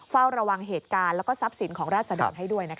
เฝ้าระวังเหตุการณ์แล้วก็ทรัพย์สินของราศดรให้ด้วยนะคะ